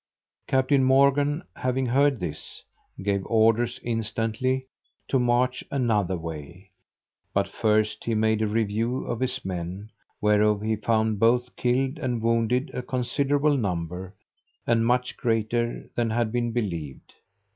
Captain Morgan having heard this, gave orders instantly to march another way; but first he made a review of his men, whereof he found both killed and wounded a considerable number, and much greater than had been believed.